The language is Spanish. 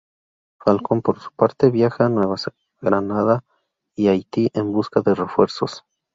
Falcón, por su parte, viaja a Nueva Granada y Haití en busca de refuerzos.